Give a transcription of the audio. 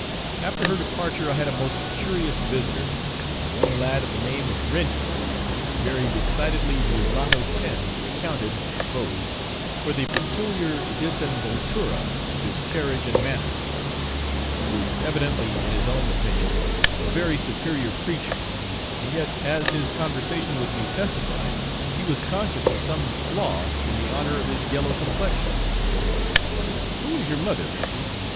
After her departure I had a most curious visitor, a young lad of the name of Renty, whose very decidedly mulatto tinge accounted, I suppose, for the peculiar disinvoltura of his carriage and manner; he was evidently in his own opinion a very superior creature; and yet, as his conversation with me testified, he was conscious of some flaw in the honour of his 'yellow' complexion. 'Who is your mother, Renty?'